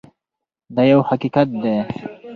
دا یو حقیقت دی.